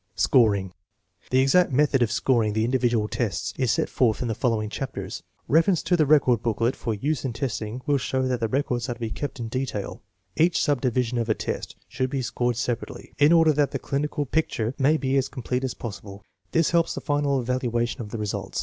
Scoring. The exact method of scoring the individual tests is set forth in the following chapters. Reference to the record booklet for use in testing will show that the records are to be kept in detail. Each subdivision of a test should be scored separately, in order that the clinical pic INSTRUCTIONS FOR USING 133 ture may be as complete as possible. This helps in the final evaluation of the results.